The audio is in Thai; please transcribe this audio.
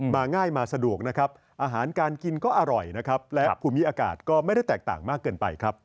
มาง่ายมาสะดวกนะครับอาหารการกินก็อร่อยนะครับและภูมิอากาศก็ไม่ได้แตกต่างมากเกินไปครับ